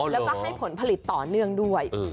แล้วก็ให้ผลผลิตต่อเนื่องด้วย